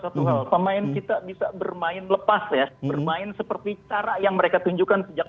satu hal pemain kita bisa bermain lepas ya bermain seperti cara yang mereka tunjukkan sejak